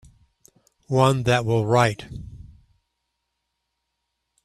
One that will write.